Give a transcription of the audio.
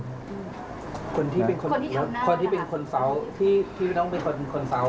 คนที่เป็นคนที่ทำหน้าคนที่เป็นคนเศร้าที่น้องเป็นคนเศร้า